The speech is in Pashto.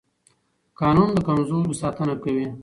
قانون د کمزورو ساتنه کوي